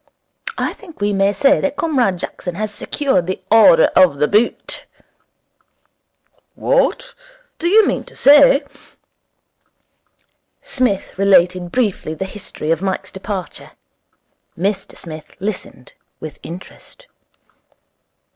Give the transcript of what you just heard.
I think we may say that Comrade Jackson has secured the Order of the Boot.' 'What? Do you mean to say ?' Psmith related briefly the history of Mike's departure. Mr Smith listened with interest.